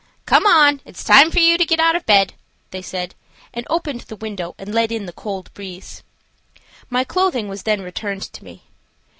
"Come, it's time for you to get out of bed," they said, and opened the window and let in the cold breeze. My clothing was then returned to me.